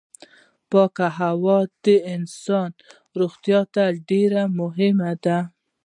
پاکه هوا د انسان روغتيا ته ډېره مهمه ده.